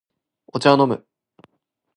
お茶を飲む